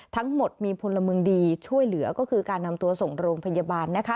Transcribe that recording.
ทั้งหมดมีพลเมืองดีช่วยเหลือก็คือการนำตัวส่งโรงพยาบาลนะคะ